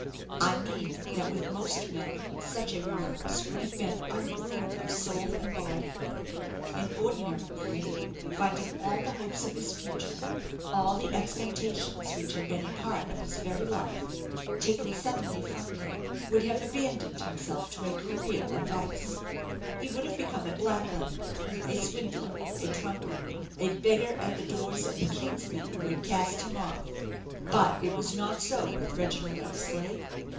"I mean that with most men such a reverse would have been utter ruin of soul and body. An ordinary man, finding all the hopes of his future, all the expectations, which had been a part of his very life, taken suddenly from him, would have abandoned himself to a career of vice; he would have become a blackleg, a swindler, a drunkard, a beggar at the doors of the kinsman who had cast him off. But it was not so with Reginald Eversleigh.